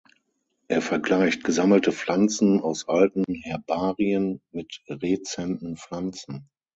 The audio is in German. Er vergleicht gesammelte Pflanzen aus alten Herbarien mit rezenten Pflanzen.